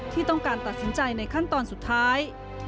ที่ต้องการตัดสินใจในขั้นตอนสุดท้าย